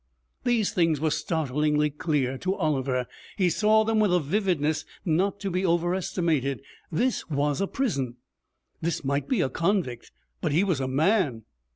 These things were startlingly clear to Oliver. He saw them with a vividness not to be overestimated. This was a prison. This might be a convict, but he was a man.